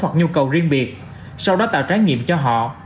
hoặc nhu cầu riêng biệt sau đó tạo trái nghiệm cho họ